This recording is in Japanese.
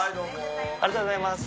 ありがとうございます。